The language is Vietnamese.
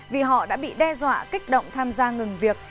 vì họ đã bị đe dọa kích động tham gia ngừng việc